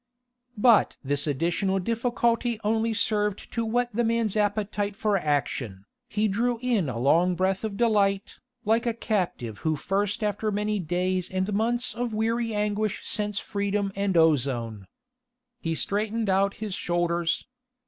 But this additional difficulty only served to whet the man's appetite for action. He drew in a long breath of delight, like a captive who first after many days and months of weary anguish scents freedom and ozone. He straightened out his shoulders.